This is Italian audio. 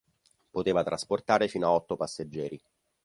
Poteva trasportare fino a otto passeggeri.